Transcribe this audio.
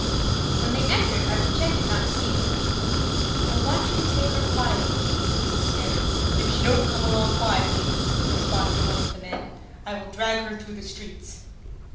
When they entered I pretended not to see them. "I want you to take her quietly," said Mrs. Stanard. "If she don't come along quietly," responded one of the men, "I will drag her through the streets."